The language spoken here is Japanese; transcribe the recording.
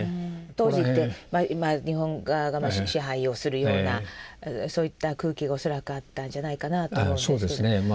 当時って日本側が支配をするようなそういった空気が恐らくあったんじゃないかなぁと思うんですけど。